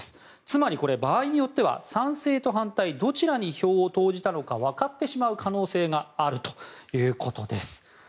つまり、場合によっては賛成と反対どちらに票を投じたのか分かってしまう可能性があるということです。